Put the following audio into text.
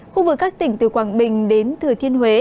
khu vực các tỉnh từ quảng bình đến thừa thiên huế